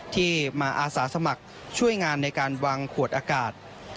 ที่มาอาสาสมัครช่วยงานในการวางขวดอากาศ